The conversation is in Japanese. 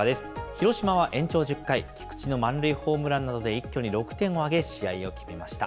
広島は延長１０回、菊池の満塁ホームランなどで一挙に６点を挙げ、試合を決めました。